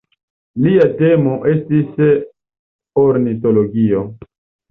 Lia temo estis ornitologio.